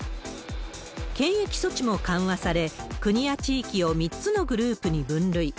検疫措置も緩和され、国や地域を３つのグループに分類。